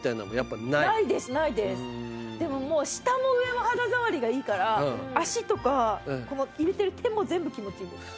もう下も上も肌触りがいいから足とかこの入れてる手も全部気持ちいいです。